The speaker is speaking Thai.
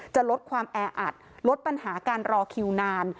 จะลดความแออัดลดปัญหาการรอคิวนาน